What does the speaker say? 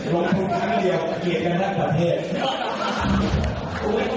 แล้วคนรักก็ได้กระดาษนักคอม